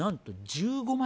１５万！？